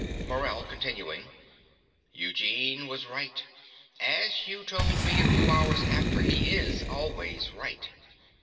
MORELL (continuing). Eugene was right. As you told me a few hours after, he is always right.